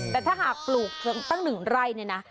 แต่ถ้าหากปลูกตั้ง๑ไร่เนี่ยนะ